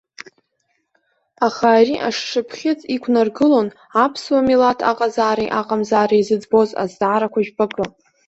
Аха ари ашшыԥхьыӡ иқәнаргылон аԥсуа милаҭ аҟазаареи аҟамзаареи зыӡбоз азҵаарақәа жәпакы.